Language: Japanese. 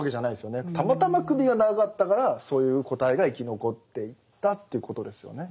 たまたま首が長かったからそういう個体が生き残っていったということですよね。